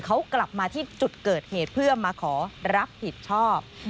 เขากลับมาที่จุดเกิดเหตุเพื่อมาขอรับผิดชอบ